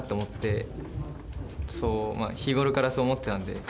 そう日頃からそう思ってたんで。